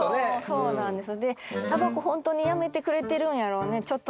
そうなんですよ。